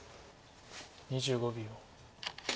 ２５秒。